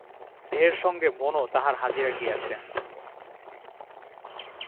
দেহের সঙ্গে মনও তাহার হাজিরা গিয়াছে।